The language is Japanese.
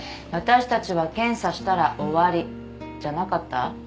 私たちは検査したら終わりじゃなかった？